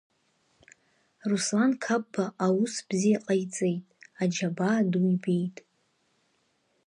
Руслан Қапба аус бзиа ҟаиҵеит, аџьабаа ду ибеит.